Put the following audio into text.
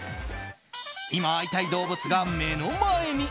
今、会いたい動物が目の前に。